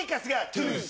トゥース。